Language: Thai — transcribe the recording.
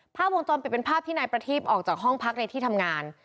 ภาพวงจรปิดเป็นภาพที่นายประทีบออกจากห้องพักในที่ทำงาน